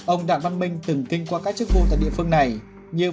ông đặng văn minh từng kinh qua các chức vụ tại địa phương này như